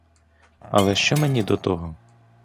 Але що мені до того?